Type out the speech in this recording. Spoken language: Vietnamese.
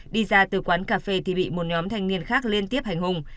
đi ra từ quán cà phê thì bị một nhóm thanh niên khác liên tiếp hành hùng